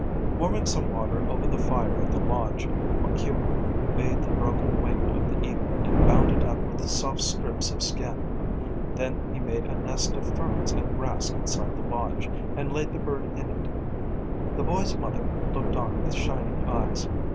Warming some water over the fire at the lodge, Waukewa bathed the broken wing of the eagle and bound it up with soft strips of skin. Then he made a nest of ferns and grass inside the lodge, and laid the bird in it. The boy's mother looked on with shining eyes.